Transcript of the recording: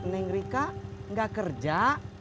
mengrika gak kerja